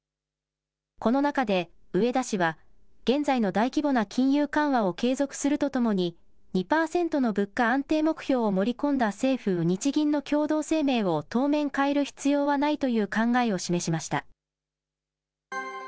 この中で、植田氏は現在の大規模な金融緩和を継続するとともに、２％の物価安定目標を盛り込んだ政府・日銀の共同声明を、当面変える必要はないという考えを示しました。